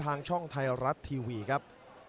ทางช่องไทยรัฐทีวีครับ